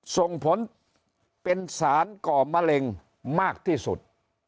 ส่งผลเป็นสารก่อมะเร็งมากที่สุด